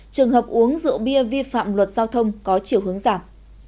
trường hợp uống rượu bia vi phạm luật giao thông có chiều hướng giảm